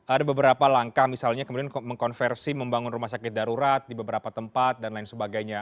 ada beberapa langkah misalnya kemudian mengkonversi membangun rumah sakit darurat di beberapa tempat dan lain sebagainya